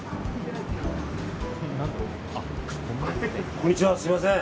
こんにちは、すみません。